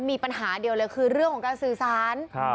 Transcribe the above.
มีปัญหาเดียวเลยคือเรื่องของการสื่อสาร